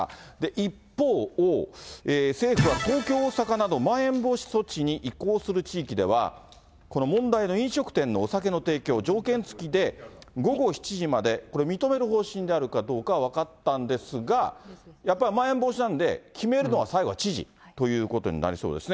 一方、政府は東京、大阪などまん延防止措置に移行する地域では、この問題の飲食店のお酒の提供を条件付きで午後７時までこれ、認める方針であるかどうかは分かったんですが、やっぱりまん延防止なんで、決めるのは最後は知事ということになりそうですね。